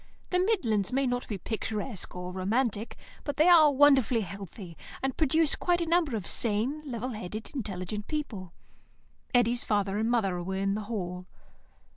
The midlands may not be picturesque or romantic, but they are wonderfully healthy, and produce quite a number of sane, level headed, intelligent people. Eddy's father and mother were in the hall.